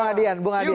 bung adian bung adian